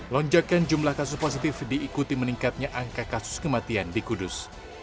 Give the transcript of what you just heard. lonjakan jumlah kasus positif diikuti meningkatnya angka kasus kematian di kudus